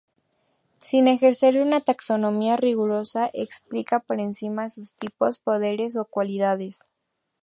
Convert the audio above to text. Sin ejercer una taxonomía rigurosa, explica por encima sus tipos, poderes o cualidades.